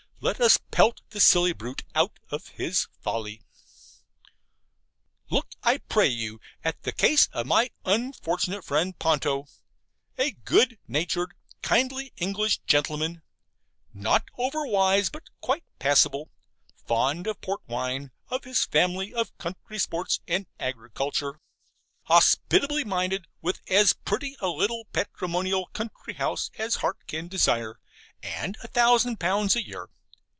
Let us pelt the silly brute out of his folly. Look, I pray you, at the case of my unfortunate friend Ponto, a good natured, kindly English gentleman not over wise, but quite passable fond of port wine, of his family, of country sports and agriculture, hospitably minded, with as pretty a little patrimonial country house as heart can desire, and a thousand pounds a year.